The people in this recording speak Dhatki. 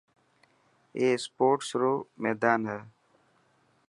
اي اسپورٽس رو ميدان هي.